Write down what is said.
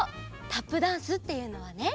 タップダンスっていうのはね